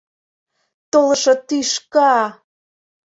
— Толышо тӱшка!